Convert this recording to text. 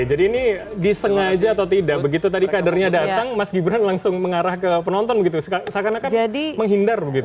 jadi disengaja atau tidak begitu tadi kadernya datang mas gibran langsung mengarah ke penonton begitu seakan akan menghindar begitu